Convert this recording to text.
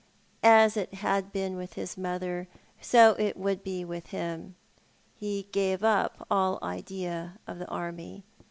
As it had been with his mother, so it would be with him. He gave up all idea of the army.